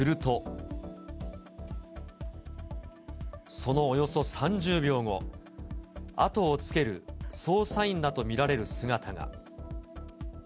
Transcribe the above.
そのおよそ３０秒後、後をつける捜査員らと見られる姿が。